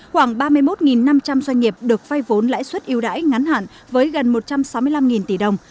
khoảng ba mươi một năm trăm linh doanh nghiệp được vay vốn lãi xuất yếu đải ngắn hạn với gần một trăm sáu mươi năm tỷ đồng